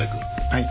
はい。